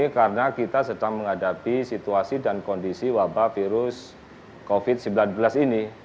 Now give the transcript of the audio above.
karena kita sedang menghadapi situasi dan kondisi wabah virus covid sembilan belas ini